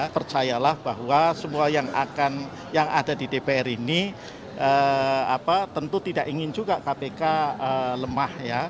percayalah bahwa semua yang ada di dpr ini tentu tidak ingin juga kpk lemah